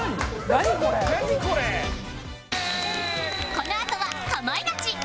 このあとは『かまいガチ』